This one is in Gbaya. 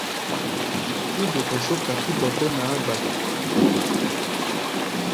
Mí duka só kapíta kó naá-gba-ta.